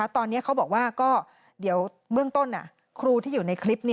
ตอนนี้เขาบอกว่าก็เดี๋ยวเบื้องต้นครูที่อยู่ในคลิป